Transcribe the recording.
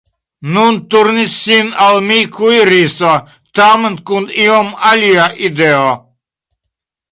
Nun turnis sin al mi kuiristo, tamen kun iom alia ideo.